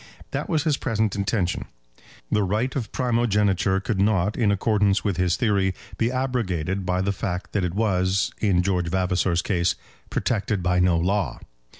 That was his present intention. The right of primogeniture could not, in accordance with his theory, be abrogated by the fact that it was, in George Vavasor's case, protected by no law.